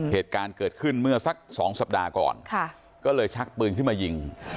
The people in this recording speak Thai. เหตุการณ์เกิดขึ้นเมื่อสักสองสัปดาห์ก่อนก็เลยชักปืนขึ้นมายิง